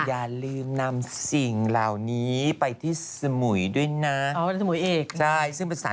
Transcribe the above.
อย่าลืมนำสิ่งเหล่านี้ไปที่สมุยด้วยนะ